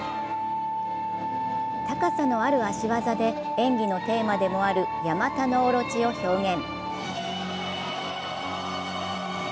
高さのある足技で演技のテーマでもある「やまたのおろち」を表現。